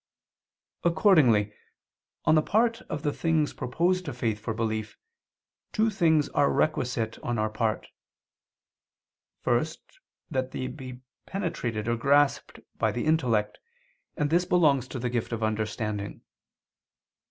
Accordingly on the part of the things proposed to faith for belief, two things are requisite on our part: first that they be penetrated or grasped by the intellect, and this belongs to the gift of understanding.